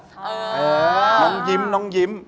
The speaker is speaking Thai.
พี่นางยิ้ม